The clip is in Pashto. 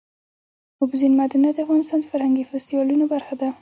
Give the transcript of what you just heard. اوبزین معدنونه د افغانستان د فرهنګي فستیوالونو برخه ده.